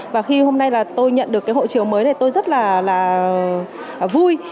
và khi hôm nay là tôi nhận được cái hộ chiếu mới thì tôi rất là vui